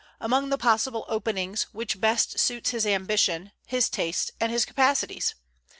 Among the possible openings, which best suits his ambition, his tastes, and his capacities?